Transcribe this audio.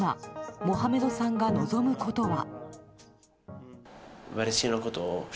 モハメドさんが望むことは。